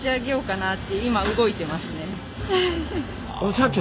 社長